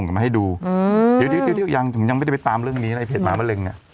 มาให้ดูยังไม่ได้ไปตามเรื่องนี้นะไอ้เพจหมามะเร็ง